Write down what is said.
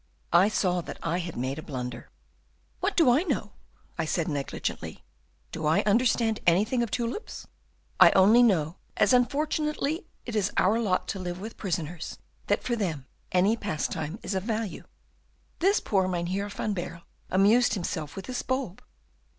"I saw that I had made a blunder. "'What do I know?' I said, negligently; 'do I understand anything of tulips? I only know as unfortunately it is our lot to live with prisoners that for them any pastime is of value. This poor Mynheer van Baerle amused himself with this bulb.